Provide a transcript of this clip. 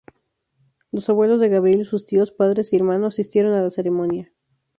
Los abuelos de Gabriel y sus tíos, padres y hermano, asistieron a la ceremonia.